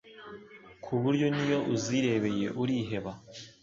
ku buryo n'iyo uzirebeye uriheba